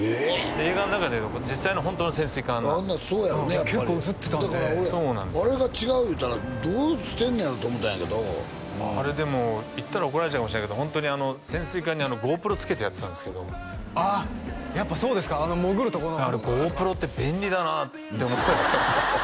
で映画の中で実際のホントの潜水艦なんですあんなんそうやろねやっぱり結構映ってたんであれが違う言うたらどうしてんねやろと思ったあれでも言ったら怒られちゃうかもしれないけどホントに潜水艦にＧｏＰｒｏつけてやってたんですけどあっやっぱそうですかあの潜るとこのあれＧｏＰｒｏって便利だなって思いましたよね